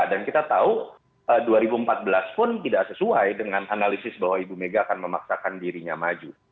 dan kita tahu dua ribu empat belas pun tidak sesuai dengan analisis bahwa ibu mega akan memaksakan dirinya maju